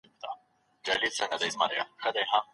که حبوبات په سمه توګه پخه نشي نو د معدې د درد سبب کیږي.